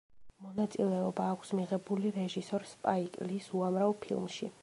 მონაწილეობა აქვს მიღებული რეჟისორ სპაიკ ლის უამრავ ფილმში.